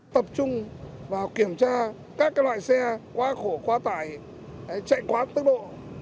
tập trung vào kiểm tra các loại xe quá khổ quá tải chạy quá tốc độ